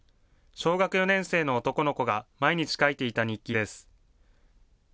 小学４年生の男の子が毎日書いていた日記です。